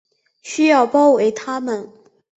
需要包围他们